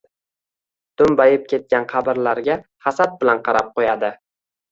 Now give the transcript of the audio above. Doʻmbayib ketgan qabrlarga hasad bilan qarab qoʻyadi.